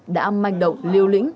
đã âm manh động liêu lĩnh